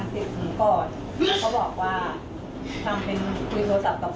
นี่สิครับสั่ง๑๐ถุงก่อนเขาบอกว่าทำเป็นคุยโทรศัพท์กับเพื่อน